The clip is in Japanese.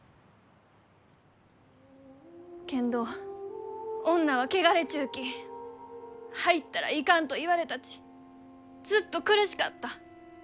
けんど「女は汚れちゅうき入ったらいかん」と言われたちずっと苦しかった。